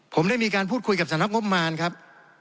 ผมได้มีการพูดคุยกับสำนักงบมารครับ